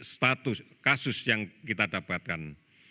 status kasus yang kita dapatkan